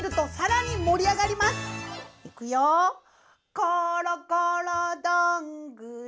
「ころころどんぐり」